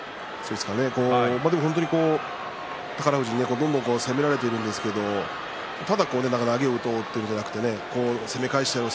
本当に宝富士にどんどん攻められているんですがただ投げを打とうというんじゃなくて攻め返してやろう